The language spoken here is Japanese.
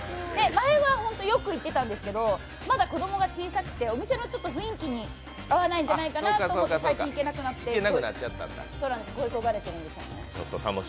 前はよく行ってたんですけど、まだ子供が小さくてお店の雰囲気に合わないんじゃないかなと思って最近、行けなくて恋焦がれているんですよね。